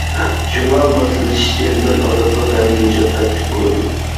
شۇڭا ماسلىشىش جەزمەن ئازابلىق ھەم مۇشەققەتلىك بولىدۇ.